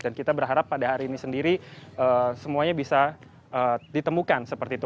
dan kita berharap pada hari ini sendiri semuanya bisa ditemukan seperti itu